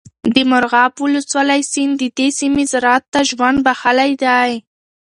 د مرغاب ولسوالۍ سیند د دې سیمې زراعت ته ژوند بخښلی دی.